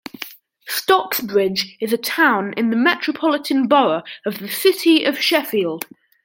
Stocksbridge is a town in the metropolitan borough of the City of Sheffield.